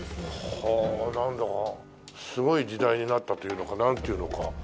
はあなんだかすごい時代になったというのかなんていうのか。